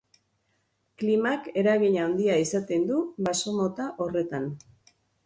Klimak eragin handia izaten du baso mota horretan.